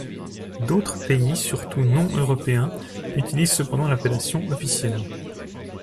D'autres pays, surtout non européens, utilisent cependant l'appellation officielle.